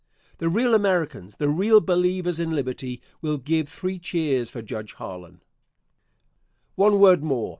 The real Americans, the real believers in Liberty, will give three cheers for Judge Harlan. One word more.